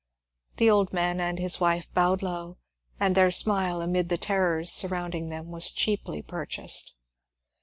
The old man and his wife bowed low, and their smile amid the terrors surrounding them was cheaply purchased.